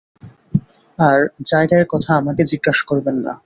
আর জায়গায় কথা আমাকে জিজ্ঞেস করবেন না।